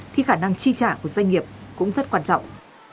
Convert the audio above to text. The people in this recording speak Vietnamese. thì khả năng chi trả của doanh nghiệp cũng rất quan trọng